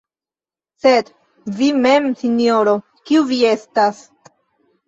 Sed vi mem, sinjoro, kiu vi estas?